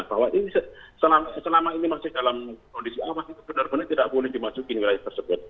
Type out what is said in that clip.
bahwa ini selama ini masih dalam kondisi aman itu benar benar tidak boleh dimasuki wilayah tersebut